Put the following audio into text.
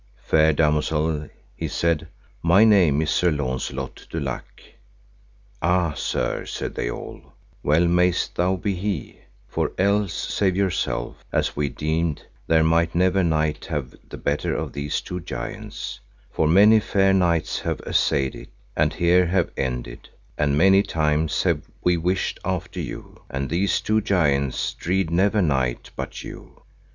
Fair damosel, he said, my name is Sir Launcelot du Lake. Ah, sir, said they all, well mayest thou be he, for else save yourself, as we deemed, there might never knight have the better of these two giants; for many fair knights have assayed it, and here have ended, and many times have we wished after you, and these two giants dread never knight but you.